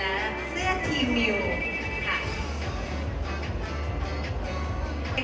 และเสื้อทีมิวค่ะ